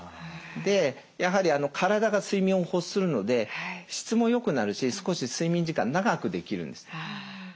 でやはり体が睡眠を欲するので質も良くなるし少し睡眠時間長くできるんですね。